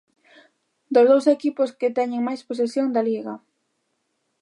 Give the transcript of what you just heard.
Dous dos equipos que teñen máis posesión da Liga.